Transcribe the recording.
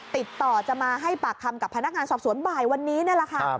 ติดต่อจะมาให้ปากคำกับพนักงานสอบสวนบ่ายวันนี้นี่แหละค่ะ